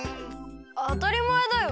あたりまえだよ。